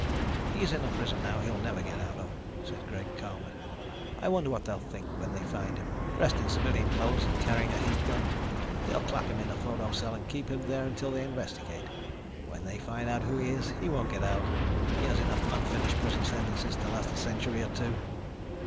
"He's in a prison now he'll never get out of," said Greg calmly. "I wonder what they'll think when they find him, dressed in civilian clothes and carrying a heat gun. They'll clap him into a photo cell and keep him there until they investigate. When they find out who he is, he won't get out he has enough unfinished prison sentences to last a century or two."